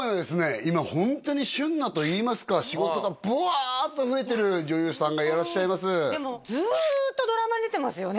今ホントに旬なといいますか仕事がブワーッと増えてる女優さんがいらっしゃいますでもずっとドラマに出てますよね